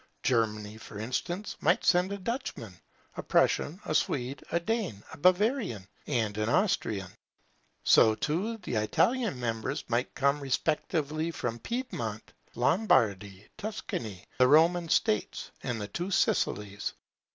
Germany, for instance, might send a Dutchman, a Prussian, a Swede, a Dane, a Bavarian, and an Austrian. So, too, the Italian members might come respectively from Piedmont, Lombardy, Tuscany, the Roman States, and the two Sicilies.